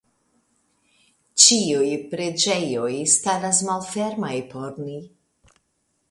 Ĉiuj preĝejoj staras malfermaj por ni.